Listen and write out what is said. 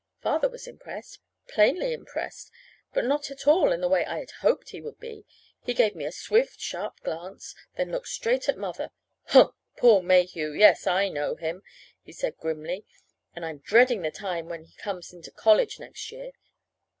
Father was impressed plainly impressed; but not at all in the way I had hoped he would be. He gave me a swift, sharp glance; then looked straight at Mother. "Humph! Paul Mayhew! Yes, I know him," he said grimly. "And I'm dreading the time when he comes into college next year."